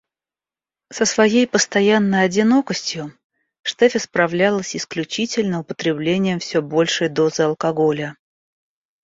Со своей постоянной одинокостью Штефи справлялась исключительно употреблением всё большей дозы алкоголя.